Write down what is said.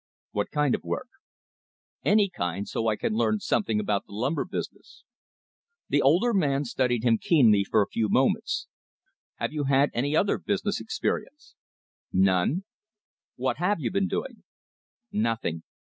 "What kind of work?" "Any kind, so I can learn something about the lumber business." The older man studied him keenly for a few moments. "Have you had any other business experience?" "None." "What have you been doing?" "Nothing."